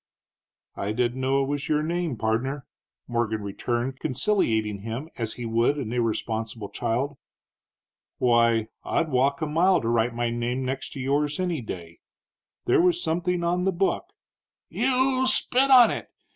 "I didn't know it was your name, pardner," Morgan returned, conciliating him as he would an irresponsible child. "Why, I'd walk a mile to write my name next to yours any day. There was something on the book " "You spit on it!